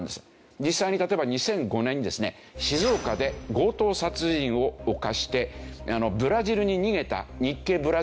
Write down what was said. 実際に例えば２００５年にですね静岡で強盗殺人を犯してブラジルに逃げた日系ブラジル人がいるんですね。